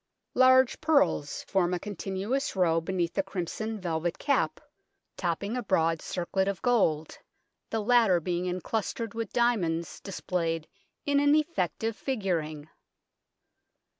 Large pearls form a continuous row beneath the crimson velvet cap, topping a broad circlet of gold, the latter being enclustered with diamonds displayed in an effective figuring.